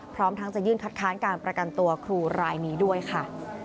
พร้อมทั้งจะยื่นคัดค้านการประกันตัวครูรายนี้ด้วยค่ะ